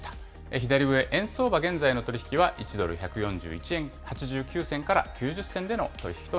左上、円相場、現在の取り引きは１ドル１４１円８９銭から９０銭